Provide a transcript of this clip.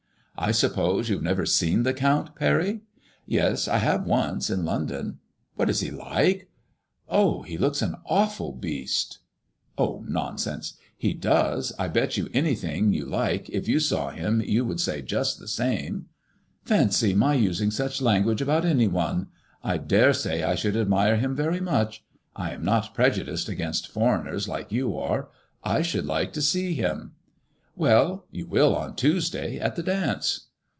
I sup pose you have never seen the Count, Parry ?"" Yes, I have once, in London. " What is he like ?"Oh, he looks an awful beast" " Oh, nonsense !"He does. I bet you anything you like, if you saw him you would say just the same." "Fancy my using such lan guage about any one! I dare say I should admire him very much. I am not prejudiced against foreigners, like you are ; I should like to see him." I ICADRMOTSBLLS IXE, TO3 " Well, you will, on Tuesday, at the dance."